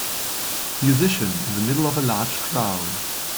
Musician in the middle of a large crowd.